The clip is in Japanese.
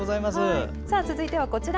続いてはこちら。